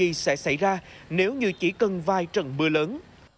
cái gì sẽ xảy ra nếu như chỉ cần vài trận mưa lớn